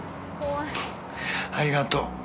ありがとう。